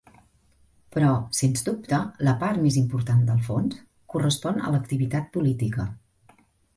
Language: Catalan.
Però, sens dubte, la part més important del fons correspon a l'activitat política.